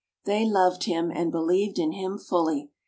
They loved him and believed in him fully.